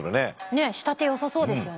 ねえ仕立てよさそうですよね。